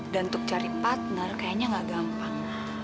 dan untuk cari partner kayaknya nggak gampang